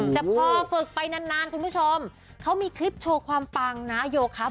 แต่พอฝึกไปนานคุณผู้ชมเขามีคลิปโชว์ความปังนะโยครับ